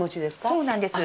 そうなんです。